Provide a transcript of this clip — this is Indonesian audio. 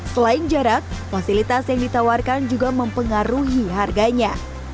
selain jarak fasilitas yang ditawarkan juga mempengaruhi harganya